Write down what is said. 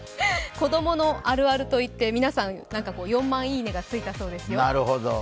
子供のあるあるといって、皆さん、４万いいねがついたそうですよ。